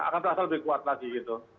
akan terasa lebih kuat lagi gitu